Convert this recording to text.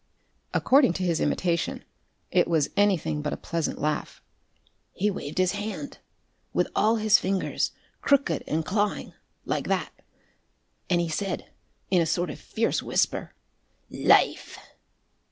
According to his imitation it was anything but a pleasant laugh. "He waved his hand, with all his fingers crooked and clawing like that. And he said, in a sort of fierce whisper, 'LIFE!'